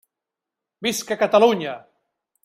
Visca Catalunya!